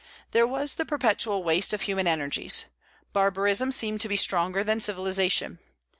There was the perpetual waste of human energies. Barbarism seemed to be stronger than civilization.